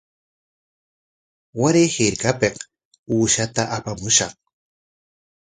Waray hirpapik uqshata apamushaq.